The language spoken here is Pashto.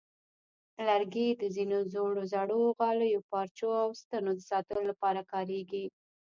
لرګي د ځینو زړو غالیو، پارچو، او ستنو د ساتلو لپاره کارېږي.